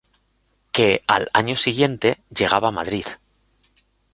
Que al año siguiente llegaba a Madrid.